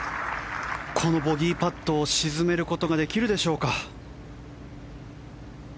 このボギーパットを沈めることができるでしょうか。